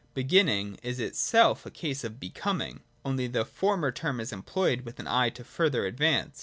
Beginning is itself a case of Becoming ; only the former term is employed with an eye to the further advance.